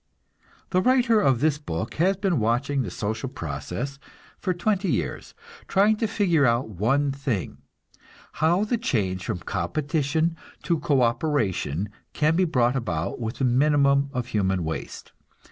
The writer of this book has been watching the social process for twenty years, trying to figure out one thing how the change from competition to co operation can be brought about with the minimum of human waste.